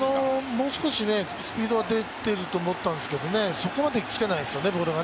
もう少しスピードが出ていると思ったんですけど、そこまで来ていないですよね、ボールが。